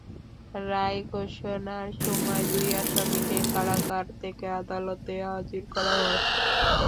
রায় ঘোষণার সময় দুই আসামিকে কারাগার থেকে আদালতে হাজির করা হয়।